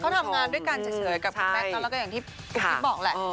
เราเจอกันตลอดอยู่แล้ว